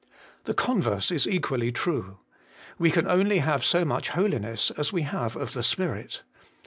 The converse is equally true. We can only have so much holiness as we have of the Spirit.